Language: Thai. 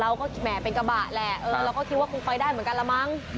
แหมเป็นกระบะแหละเราก็คิดว่าคงไปได้เหมือนกันละมั้ง